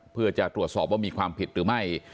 เพื่อจะตรวจสอบว่ามีความผิดหรือไม่